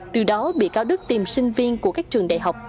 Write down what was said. từ đó bị cáo đức tìm sinh viên của các trường đại học